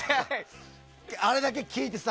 あれだけ聴いてさ。